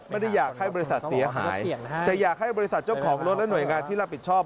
ไม่ได้อยากให้บริษัทเสียหายแต่อยากให้บริษัทเจ้าของรถและหน่วยงานที่รับผิดชอบ